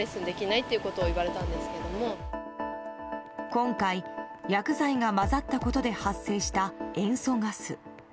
今回、薬剤が混ざったことで発生した塩素ガス。